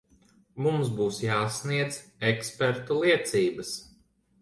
Mums būs jāsniedz ekspertu liecības.